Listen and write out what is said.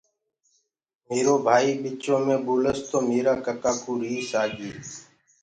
ميرو ڀآئيٚ وچو مي ٻولس تو ميرآ ڪَڪآ ڪوُ ريس آگي۔